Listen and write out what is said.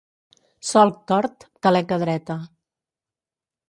Solc tort, taleca dreta.